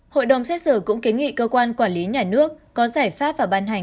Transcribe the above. hội đồng xét xử cũng kiến nghị cơ quan quản lý nhà nước có giải pháp và ban hành